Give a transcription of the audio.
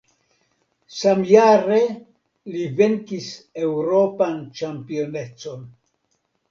Samjare li venkis eŭropan ĉampionecon.